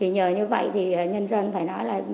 nhờ như vậy thì nhân dân phải nói là